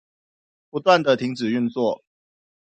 不斷的停止運作